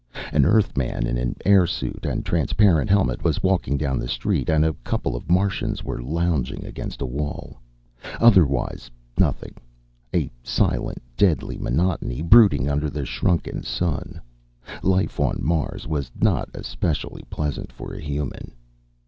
An Earthman in airsuit and transparent helmet was walking down the street and a couple of Martians were lounging against a wall. Otherwise nothing a silent, deadly monotony brooding under the shrunken sun. Life on Mars was not especially pleasant for a human.